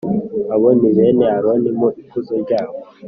Abo ni bene Aroni mu ikuzo ryabo,